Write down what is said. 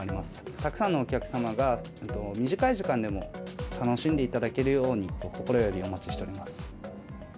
たくさんのお客様が、短い時間でも楽しんでいただけるように、心よりお待ちしております。